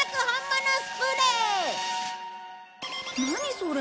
それ。